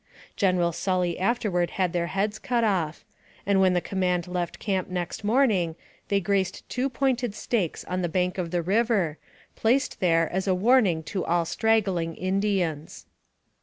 General Sully afterward had their heads cut off; and when the command left camp next morning, they graced two pointed stakes on the bank of the river, placed there as a warning to all straggling Indians.